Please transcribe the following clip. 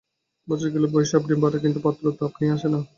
বছর গেলেই বয়েস আপনি বাড়ে কিন্তু পাত্র তো আপনি আসে না।